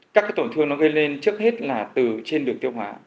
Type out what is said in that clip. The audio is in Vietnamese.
các tổn thương nó gây lên trước hết là từ trên được tiêu hóa